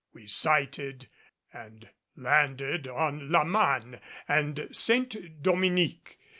We sighted, and landed on La Manne and Saint Dominique.